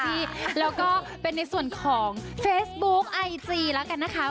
กับเพลงที่มีชื่อว่ากี่รอบก็ได้